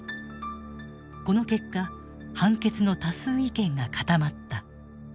この結果判決の多数意見が固まった。